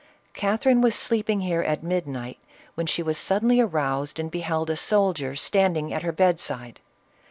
Catherine was sleeping here at midnight, when she was suddenly aroused, and be held a soldier standing at her bedside.